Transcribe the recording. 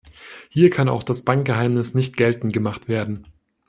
Hier kann auch das Bankgeheimnis nicht geltend gemacht werden.